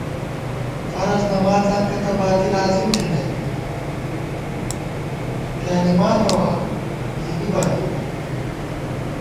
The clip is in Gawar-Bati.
فرض نماڅاں کتہ باتی لازم تھنَئیت پیانِمانېوا گېنی بالِؤ